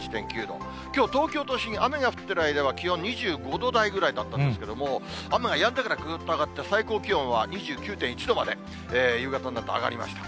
きょう、東京都心、雨が降ってる間は、気温２５度台ぐらいだったんですけども、雨がやんでからぐっと上がって、最高気温は２９．１度まで、夕方になって上がりました。